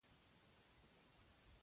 لغت نه موندل کېږي.